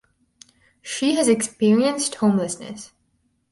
She has experienced homelessness.